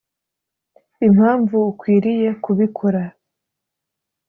impamvu ukwiriye kubikora